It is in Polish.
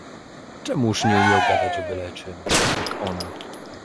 Czemuż nie umiał gadać o byle czym, jak ona?